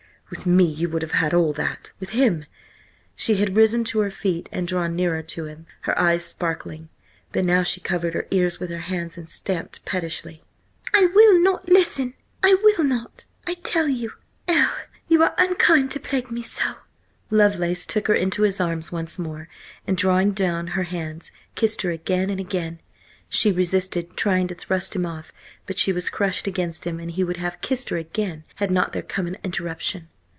With me you would have had all that; with him—" She had risen to her feet and drawn nearer to him, her eyes sparkling, but now she covered her ears with her hands and stamped pettishly. "I will not listen! I will not, I tell you! Oh, you are unkind to plague me so!" Lovelace took her into his arms once more, and drawing down her hands, kissed her again and again. She resisted, trying to thrust him off, but she was crushed against him, and he would have kissed her again, had not there come an interruption.